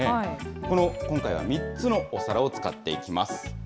この今回は３つのお皿を使っていきます。